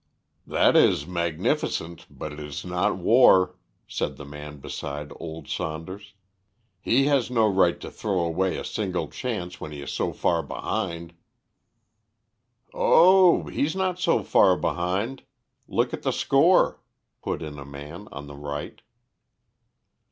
"That is magnificent, but it is not war," said the man beside old Saunders. "He has no right to throw away a single chance when he is so far behind." "Oh, he's not so far behind. Look at the score," put in a man on the right.